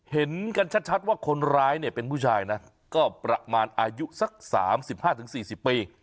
เห็นกันชัดว่าคนร้ายเนี่ยเป็นผู้ชายนะก็ประมาณอายุสัก๓๕๔๐ปี